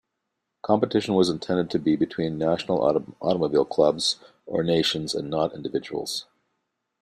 Competition was intended to be between national automobile clubs, or nations, and not individuals.